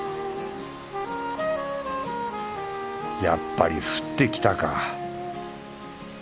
やっぱり降ってきたかぁ